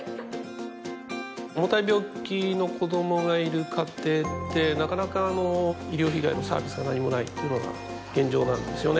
重たい病気の子供がいる家庭ってなかなか医療以外のサービスが何もないっていうのが現状なんですよね